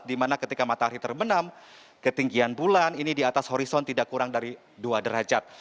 dimana ketika matahari terbenam ketinggian bulan ini di atas horison tidak kurang dari dua derajat